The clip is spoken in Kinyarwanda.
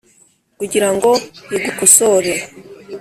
kugira ngo igukosore;